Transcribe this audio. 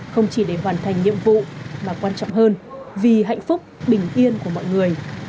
không chỉ để hoàn thành nhiệm vụ mà quan trọng hơn vì hạnh phúc bình yên của mọi người